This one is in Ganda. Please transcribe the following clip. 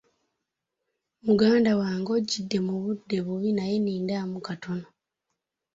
Muganda wange ojjidde mu budde bubi naye nindamu katono.